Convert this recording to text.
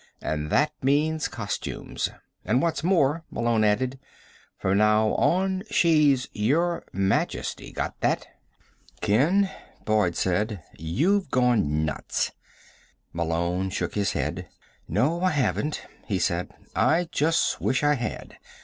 And that means costumes. And what's more," Malone added, "from now on she's 'Your Majesty'. Got that?" "Ken," Boyd said, "you've gone nuts." Malone shook his head. "No, I haven't," he said. "I just wish I had.